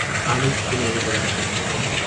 আমৃত্যু তিনি এই পদে আসীন ছিলেন।